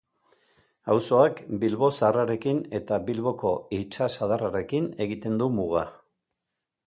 Auzoak Bilbo Zaharrarekin eta Bilboko itsasadarrarekin egiten du muga.